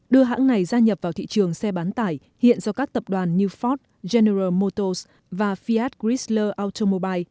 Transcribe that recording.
đưa hãng này gia nhập vào thị trường xe bán tải hiện do các tập đoàn như ford general motors và fiat chrysler automobile